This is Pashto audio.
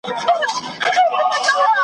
وروستي منزل ته به مي پل تر کندهاره څارې .